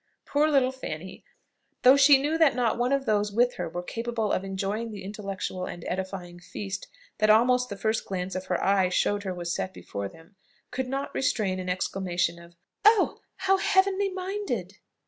Poor little Fanny, though she knew that not one of those with her were capable of enjoying the intellectual and edifying feast that almost the first glance of her eye showed her was set before them, could not restrain an exclamation of "Oh! How heavenly minded!"